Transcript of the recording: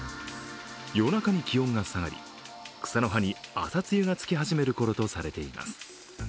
夜中に気温が下がり、草の葉に朝露がつき始めるころとされています。